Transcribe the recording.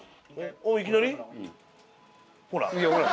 おっいきなり。